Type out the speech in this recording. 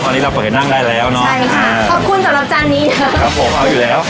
ตอนนี้เราเปิดให้นั่งได้แล้วเนอะใช่ค่ะขอบคุณสำหรับจานนี้ด้วยครับผมเอาอยู่แล้ว